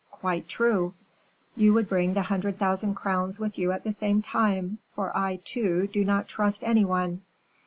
"Quite true." "You would bring the hundred thousand crowns with you at the same time, for I, too, do not trust any one."